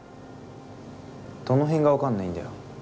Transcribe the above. どの辺が分かんないんだよ。